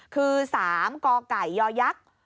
คือ๓กยย๒๓๕๕